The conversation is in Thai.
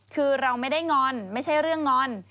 คือเราไม่ได้งอนไม่ใช่เรื่องงอน